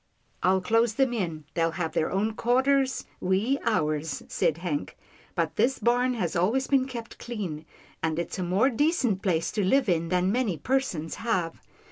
" I'll close them in — they'll have their own quar ters, we ours," said Hank, " but this barn has always been kept clean, and it's a more decent place to live in than many persons have.